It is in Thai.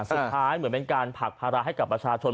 เหมือนเป็นการผลักภาระให้กับประชาชน